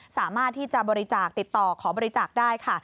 สามารถที่จะบริจาคติดต่อขอบริจาคได้ค่ะ